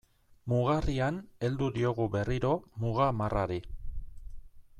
Mugarrian heldu diogu berriro muga marrari.